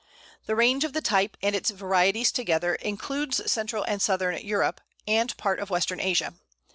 The range of the type and its varieties together includes Central and Southern Europe, and part of Western Asia.